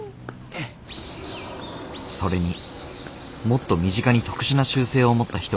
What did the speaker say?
それにもっと身近に特殊な習性を持った人がいる。